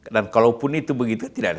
dan kalau pun itu begitu tidak ada